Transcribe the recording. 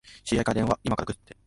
知り合いから電話、いまから来るって。